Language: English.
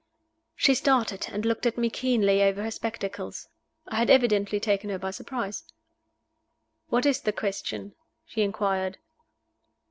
She started, and looked at me keenly over her spectacles. I had evidently taken her by surprise. "What is the question?" she inquired.